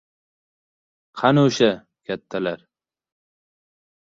— Qani o‘sha... kattalar?